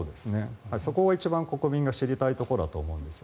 そこが一番国民が知りたいところだと思うんです。